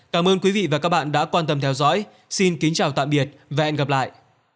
cảm ơn quý vị và các bạn đã quan tâm theo dõi xin kính chào tạm biệt và hẹn gặp lại